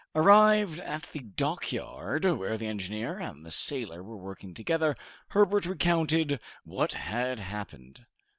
Arrived at the dockyard, where the engineer and the sailor were working together, Herbert recounted what had happened.